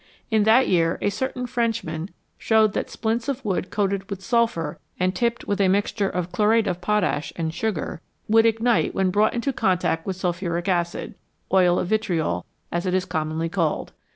In that year a certain Frenchman showed that splints of wood coated with sulphur and tipped with a mixture of chlorate of potash and sugar would ignite when brought into contact with sulphuric acid oil of vitriol, as it is commonly called.